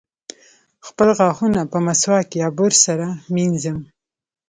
خپل غاښونه په مسواک یا برس سره مینځم.